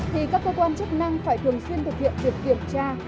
thì các cơ quan chức năng phải thường xuyên thực hiện việc kiểm tra